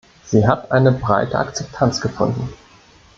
Sie hat eine breite Akzeptanz gefunden.